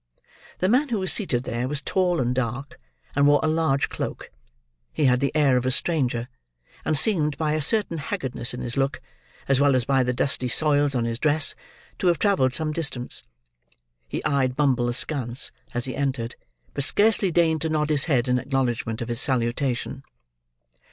The man who was seated there, was tall and dark, and wore a large cloak. He had the air of a stranger; and seemed, by a certain haggardness in his look, as well as by the dusty soils on his dress, to have travelled some distance. He eyed Bumble askance, as he entered, but scarcely deigned to nod his head in acknowledgment of his salutation.